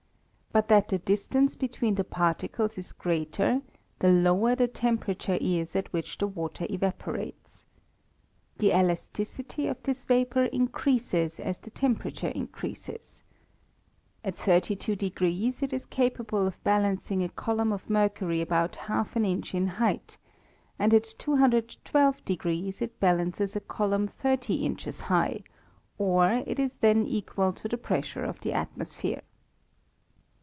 But that the dis< tance between the particles is greater the lower the temperature is at which the water evaporates. The elasticity of this vapour increases as the temperaHira increases. At 32" it is capable of balancing a co lumn of mercury about half an inch in height, and at 212'^ it balances a column thirty inches high, or it is then equal to the pressure of the atmosphere.